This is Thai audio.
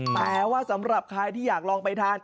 แต่ว่าสำหรับใครที่อยากลองไปทาน